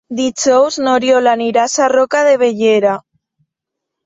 Dijous n'Oriol anirà a Sarroca de Bellera.